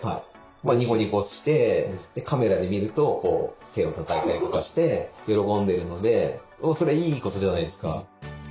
まあニコニコしてカメラで見ると手をたたいたりとかして喜んでるのでそれいいことじゃないですか。